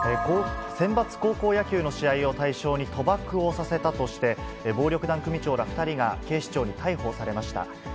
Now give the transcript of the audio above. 選抜高校野球の試合を対象に、賭博をさせたとして、暴力団組長ら２人が警視庁に逮捕されました。